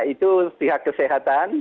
itu pihak kesehatan